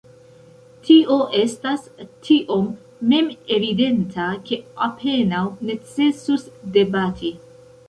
Tio estas tiom memevidenta, ke apenaŭ necesus debati.